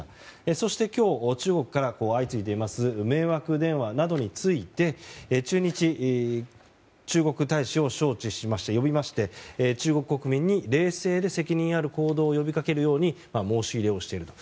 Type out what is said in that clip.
そして、今日中国から相次いでいます迷惑電話などについて駐日中国大使を呼びまして中国国民へ冷静で責任ある行動を呼びかけるように申し入れをしていると。